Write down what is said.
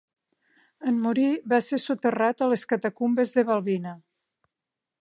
En morir, va ser soterrat a les catacumbes de Balbina.